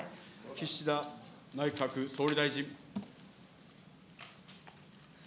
岸田内閣総理大臣。